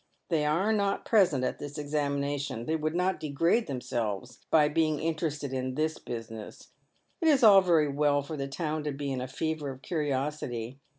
They are not present at this examination. They would not degrade themselves by being interested in this business. It is all very well for the town to be in a fever of curiosity.